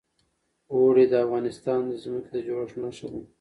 اوړي د افغانستان د ځمکې د جوړښت نښه ده.